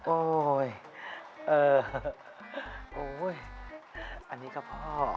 โอ้ยอันนี้ก็พ่อ